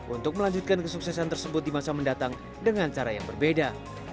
untuk melanjutkan kesuksesan tersebut di masa mendatang dengan cara yang berbeda